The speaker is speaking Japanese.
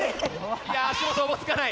いやあ足元おぼつかない。